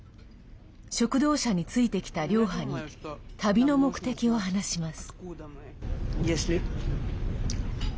食堂車についてきたリョーハに旅の目的を話します。